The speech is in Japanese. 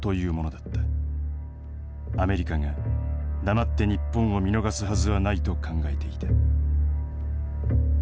アメリカが黙って日本を見逃すはずはないと考えていた。